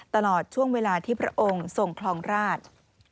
ตลอดช่วงเวลาที่พระองค์ทรงคลองราช